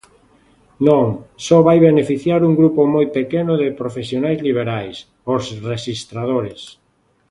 Non, só vai beneficiar un grupo moi pequeno de profesionais liberais, os rexistradores.